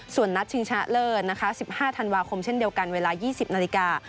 ส่วนนัดชิงชนะเลิศนะคะ๑๕ธันวาคมเช่นเดียวกันเวลา๒๐นาฬิกา